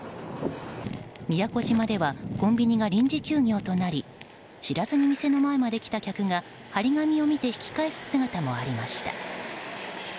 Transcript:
宮古島ではコンビニが臨時休業となり知らずに店の前まで来た客が貼り紙を見て引き返す姿もありました。